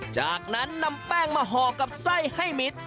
จากนั้นนำแป้งมาห่อกับไส้ให้มิด